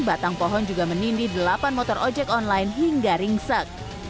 batang pohon juga menindi delapan motor ojek online hingga ringsek